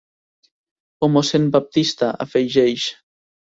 O mossèn Baptista, afegeix.